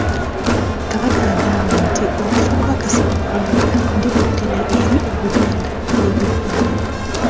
Kabaka agambye nti okufa kwa Kasirye Ggwanga ddibu ddene eri Obuganda ne Uganda.